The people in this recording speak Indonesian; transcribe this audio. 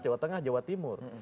jawa tengah jawa timur